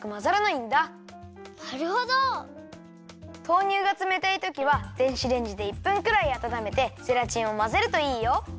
豆乳がつめたいときは電子レンジで１分くらいあたためてゼラチンをまぜるといいよ。